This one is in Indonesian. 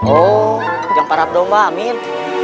oh jangpar abdo mah amin